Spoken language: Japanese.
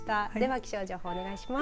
気象情報、お願いします。